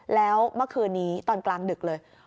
แล้วเมื่อคืนนี้ตอนกลางดึกเลย